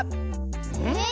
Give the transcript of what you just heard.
えっ？